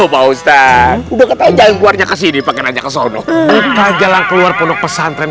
maustah jangan keluarnya ke sini panggil aja ke sana jalan keluar penuh pesan tren